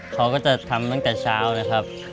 เขาก็จะทำตั้งแต่เช้านะครับ